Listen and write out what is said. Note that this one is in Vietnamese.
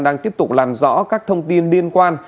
đang tiếp tục làm rõ các thông tin liên quan